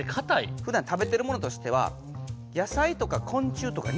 ふだん食べてるものとしては野菜とか昆虫とか肉も食べるそうです。